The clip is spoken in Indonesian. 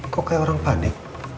kok kayak orang panik